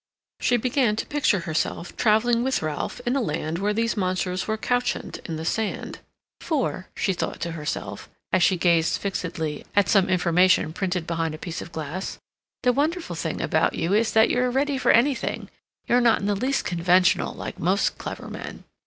She began to picture herself traveling with Ralph in a land where these monsters were couchant in the sand. "For," she thought to herself, as she gazed fixedly at some information printed behind a piece of glass, "the wonderful thing about you is that you're ready for anything; you're not in the least conventional, like most clever men."